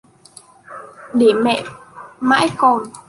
Để mẹ mãi còn